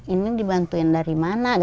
ini dibantuin dari mana